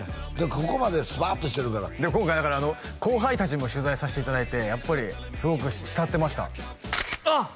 ここまでスパッとしてるから今回だから後輩達にも取材させていただいてやっぱりすごく慕ってましたあっ！